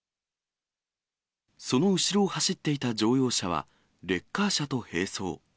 その後ろを走っていた乗用車は、レッカー車と並走。